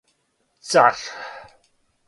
Цар